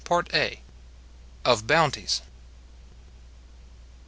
OF BOUNTIES.